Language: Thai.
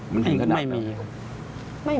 ไม่มี